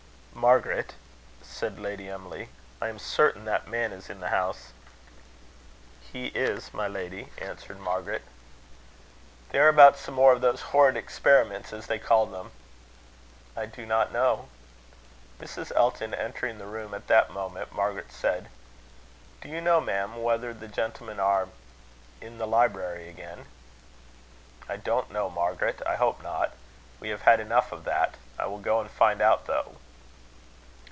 "Margaret," said Lady Emily, "I am certain that man is in the house." "He is, my lady," answered Margaret. "They are about some more of those horrid experiments, as they call them." "I do not know." Mrs. Elton entering the room at the moment, Margaret said: "Do you know, ma'am, whether the gentlemen are in the library again?" "I don't know, Margaret. I hope not. We have had enough of that. I will go and find out, though."